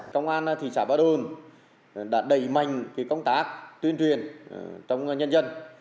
công an thị xã bà đôn đã đẩy mạnh công tác tuyên truyền trong nhân dân